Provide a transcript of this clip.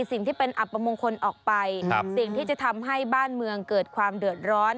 สิ่งที่เป็นอัปมงคลออกไปสิ่งที่จะทำให้บ้านเมืองเกิดความเดือดร้อน